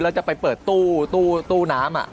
แล้วจะไปเปิดตู้น้ำ